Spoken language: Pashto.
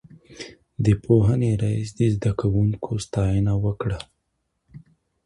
د پوهنې رئيس د زده کوونکو ستاينه وکړه.